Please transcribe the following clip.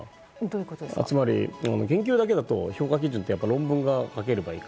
つまり研究だけだと評価基準って論文が書けるかどうか。